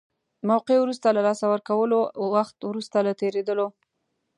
موقعه وروسته له لاسه ورکولو، وخت وروسته له تېرېدلو.